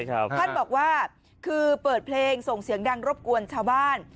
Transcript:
ท่านบอกว่าคือเปิดเพลงส่งเสียงดังรบกวนชาวบ้าน